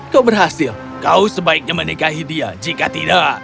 kau berhasil kau sebaiknya menikahi dia jika tidak